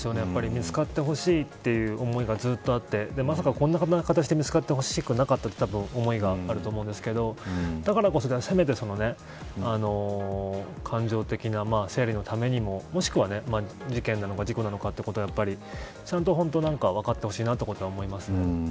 見つかってほしいという思いがずっとあってまさかこんな形で見つかってほしくなかったという思いがあると思うんですがだからこそ、じゃあせめて感情的な整理のためにももしくは事件なのか事故なのかということは本当にちゃんと分かってほしいなと思います。